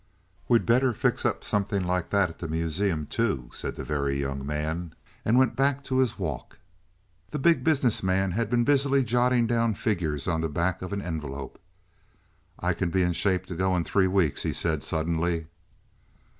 "We'd better fix up something like that at the Museum, too," said the Very Young Man, and went back to his walk. The Big Business Man had been busily jotting down figures on the back of an envelope. "I can be in shape to go in three weeks," he said suddenly.